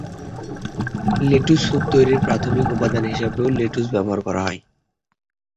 Lettuce soup তৈরির প্রাথমিক উপাদান হিসেবেও লেটুস ব্যবহার করা হয়।